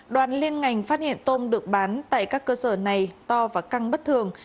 đoàn liên ngành phát hiện tôm được bán tại các cơ sở này to và căng bất thường